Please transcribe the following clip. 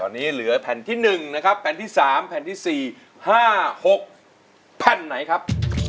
ตอนนี้เหลือแผ่นที่๑นะครับแผ่นที่๓แผ่นที่๔๕๖แผ่นไหนครับ